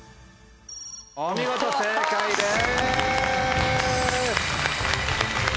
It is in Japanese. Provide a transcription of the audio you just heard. お見事正解です。